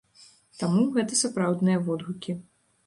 Таму, гэта сапраўдныя водгукі.